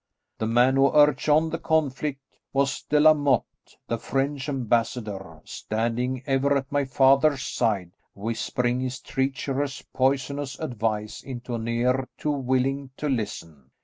The man who urged on the conflict was De la Motte, the French ambassador, standing ever at my father's side, whispering his treacherous, poisonous advice into an ear too willing to listen.